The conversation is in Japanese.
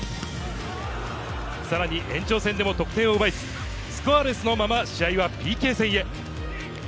さらに延長戦でも得点を奪えず、スコアレスのまま試合はＰＫ戦へ。